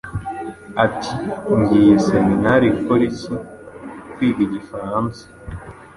Ati ; “Ngiye mu Seminari . Gukora iki ?, “Kwiga Igifaransa !”.